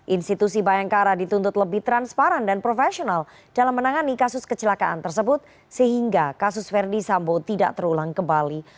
institusi bayangkara dituntut lebih transparan dan profesional dalam menangani kasus kecelakaan tersebut sehingga kasus verdi sambo tidak terulang kembali